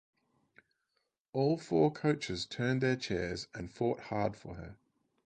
All four coaches turned their chairs and fought hard for her.